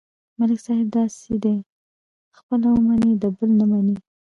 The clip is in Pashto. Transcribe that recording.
ملک صاحب داسې دی: خپله ومني، د بل نه مني.